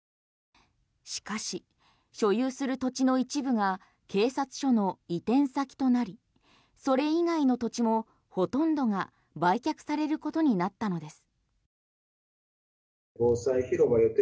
しかし、所有する土地の一部が警察署の移転先となりそれ以外の土地も、ほとんどが売却されることになったのです。